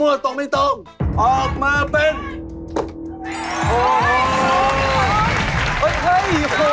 โอ้เเห้ยโอ้เเห้ยโอ้ย